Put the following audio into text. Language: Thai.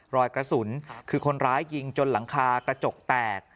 รอยกระสุนคือคนร้ายยิงจนหลังคากระจกแตก